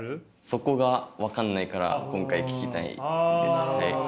そこが分かんないから今回聞きたいんです。